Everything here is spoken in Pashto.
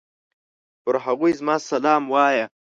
پر هغوی زما سلام وايه!